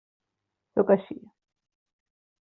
Sóc així.